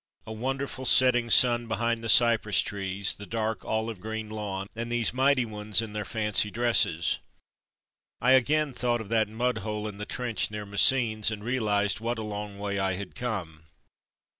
A wonderful setting sun behind the cypress trees, the dark olive green lawn, and these mighty ones in their fancy dresses. I again thought of that mud hole in the trench near Messines and realized what a long way I had come.